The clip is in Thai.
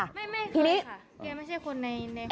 ไม่เคยค่ะเคยไม่ใช่คนในหอนี้